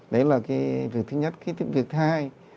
đấy là cái việc thứ nhất khi việc thứ hai